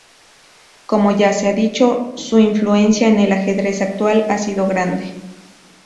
Como ya se ha dicho, su influencia en el ajedrez actual ha sido grande.